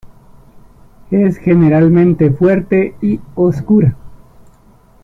Es generalmente fuerte y oscura.